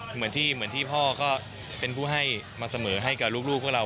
เหมือนที่พ่อก็เป็นผู้ให้มาเสมอให้กับลูกพวกเรา